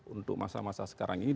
untuk masa masa sekarang ini